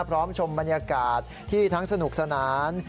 ชมบรรยากาศที่ทั้งสนุกสนาน